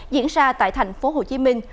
diễn ra tại thành phố hồ chí minh